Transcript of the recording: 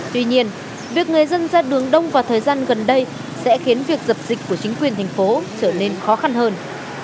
tuy nhiên việc người dân ra đường đông vào thời gian gần đây sẽ khiến việc dập dịch của chính quyền thành phố trở nên khó khăn hơn